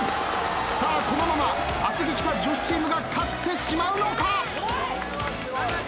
さあこのまま厚木北女子チームが勝ってしまうのか？